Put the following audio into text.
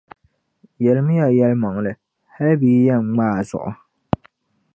Yɛlimi ya yɛlimaŋli hali bɛ yi yan ŋma a zuɣu.